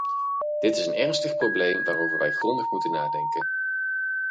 Dit is een ernstig probleem waarover wij grondig moeten nadenken.